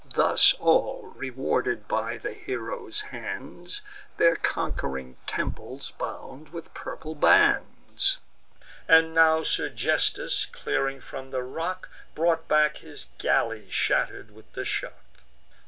Thus all, rewarded by the hero's hands, Their conqu'ring temples bound with purple bands; And now Sergesthus, clearing from the rock, Brought back his galley shatter'd with the shock.